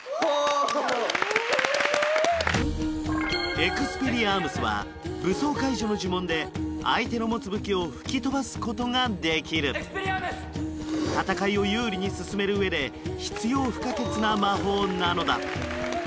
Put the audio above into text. エクスペリアームスは武装解除の呪文で相手の持つ武器を吹き飛ばすことができる戦いを有利に進める上で必要不可欠な魔法なのだ